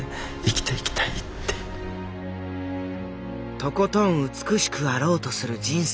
とことん美しくあろうとする人生。